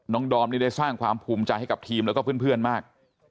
ดอมนี่ได้สร้างความภูมิใจให้กับทีมแล้วก็เพื่อนมาก